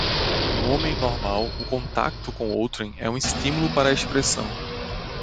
no homem normal o contacto com outrem é um estímulo para a expressão